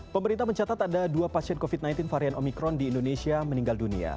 pemerintah mencatat ada dua pasien covid sembilan belas varian omikron di indonesia meninggal dunia